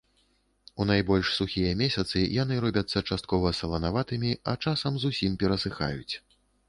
У найбольш сухія месяцы яны робяцца часткова саланаватымі, а часам зусім перасыхаюць.